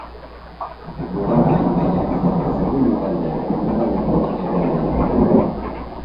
Morava ibaiak zeharkatzen du lurraldea iparraldetik hegoaldera.